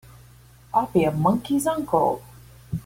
I'll be a monkey's uncle!